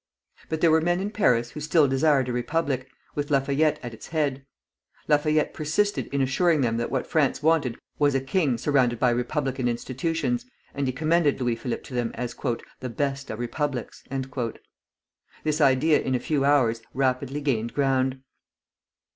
But there were men in Paris who still desired a republic, with Lafayette at its head. Lafayette persisted in assuring them that what France wanted was a king surrounded by republican institutions, and he commended Louis Philippe to them as "the best of republics." This idea in a few hours rapidly gained ground.